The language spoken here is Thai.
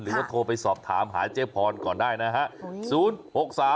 หรือว่าโทรไปสอบถามหาเจ๊พรก่อนได้นะฮะ๐๖๓๕๘๒๘๖๕๖ครับ